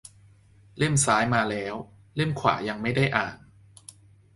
เล่มซ้ายมาแล้ว เล่มขวายังไม่ได้อ่าน